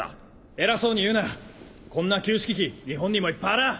偉そうに言うなこんな旧式機日本にもいっぱいあらぁ！